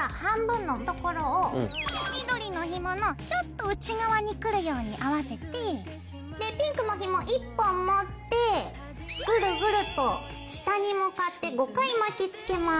緑のひものちょっと内側にくるように合わせてピンクのひも１本持ってぐるぐると下に向かって５回巻きつけます。